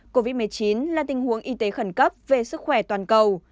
covid một mươi chín là tình huống y tế khẩn cấp về sức khỏe toàn cầu